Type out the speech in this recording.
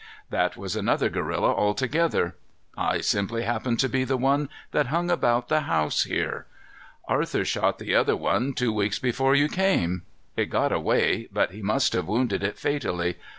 That was another gorilla altogether. I simply happen to be the one that hung about the house here. Arthur shot the other one two weeks before you came. It got away, but he must have wounded it fatally.